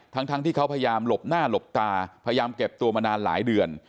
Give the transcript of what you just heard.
ทั้งที่เขาพยายามหลบหน้าหลบตาพยายามเก็บตัวมานานหลายเดือน